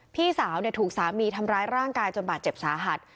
พี่สาวถูกสามีทำร้ายร่างกายจนบาดเจ็บสาหัส